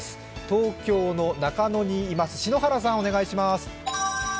東京の中野にいます篠原さん、お願いします。